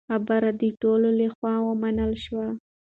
خبره د ټولو له خوا ومنل شوه.